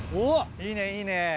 いいねいいね！